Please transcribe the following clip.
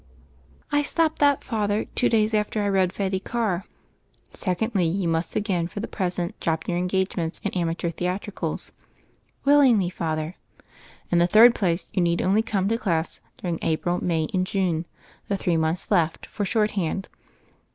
"I stopped that. Father, two days after I read Treddy Cam' " "Secondly, you must, again for the present, drop your engagements in amateur theatricals." "Willingly, Father." "In the third place, you need only come to class during April, May, and June — ^the three months left — for shorthand.